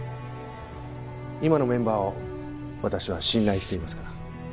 今のメンバーを私は信頼していますから。